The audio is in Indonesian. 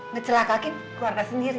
ngecelaka kan keluarga sendiri